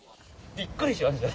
びっくりしましたよ。